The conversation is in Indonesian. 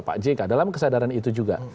pak jk dalam kesadaran itu juga